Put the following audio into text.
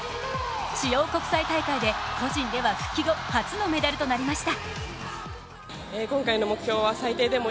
主要国際大会で個人では復帰後初のメダルとなりました。